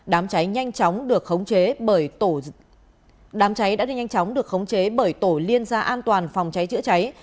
đám cháy đã được nhanh chóng khống chế bởi tổ liên gia an toàn phòng cháy chữa cháy